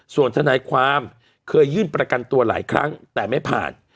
ส่วนทนายความเคยยื่นประกันตัวหลายครั้งแต่ไม่ผ่าน